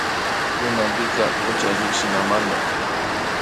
Kunanpika ucha llukshinamanda